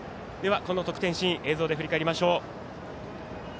得点シーン、映像で振り返りましょう。